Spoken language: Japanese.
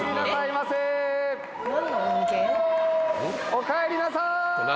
おかえりなさい。